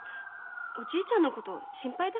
おじいちゃんのこと心配だからね。